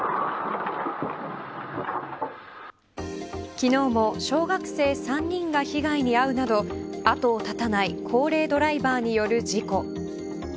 昨日も小学生３人が被害に遭うなど後を絶たない高齢ドライバーによる事故。